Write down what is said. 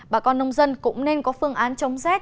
bà con nông dân cũng nên có phương án chống rét